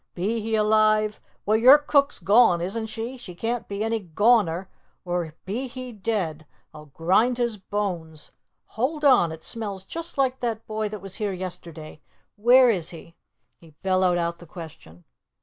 Be he alive well, your cook's gone, isn't she? she can't be any goner! or be he dead, I'll grind his bones hold on! it smells just like that boy that was here yesterday. Where is he?" He bellowed out the question.